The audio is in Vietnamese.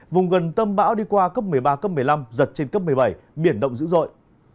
vùng gần tâm bão đi qua cấp một mươi ba cấp một mươi năm giật trên cấp một mươi bảy biển động dữ dội